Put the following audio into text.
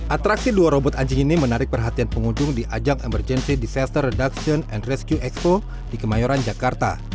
atraksi dua robot anjing ini menarik perhatian pengunjung di ajang emergency disaster reduction and rescue expo di kemayoran jakarta